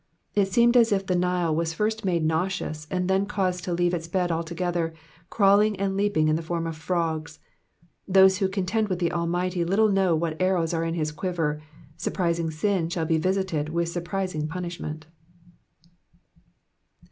It seemed as if the Nile was first made nauseous and then caused to leave its bed altoj^ether, crawling and leaping in the form of frogs. Those who contend with the Almighty, little know what arrows are in his quiver ; surprising sin shall be visited with surprising punishment.